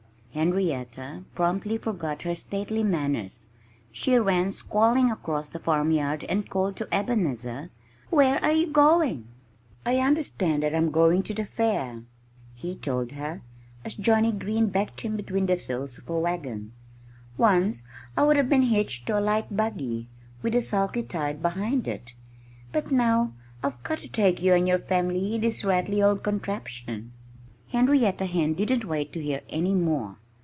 Henrietta promptly forgot her stately manners. She ran squalling across the farmyard and called to Ebenezer, "Where are you going?" "I understand that I'm going to the fair," he told her, as Johnnie Green backed him between the thills of a wagon. "Once I would have been hitched to a light buggy, with a sulky tied behind it. But now I've got to take you and your family in this rattlety old contraption." Henrietta Hen didn't wait to hear any more.